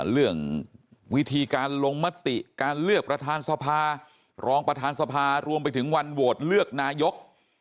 เรื่องวิธีการลงมติการเลือกประธานสภารองประธานสภารวมไปถึงวันโหวตเลือกนายก